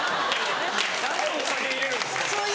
何でお酒入れるんですか。